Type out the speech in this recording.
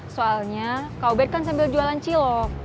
soalnya kau bed kan sambil jualan cilok